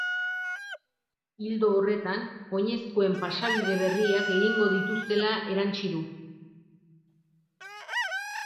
Ildo horretan, oinezkoen pasabide berriak egingo dituztela erantsi du.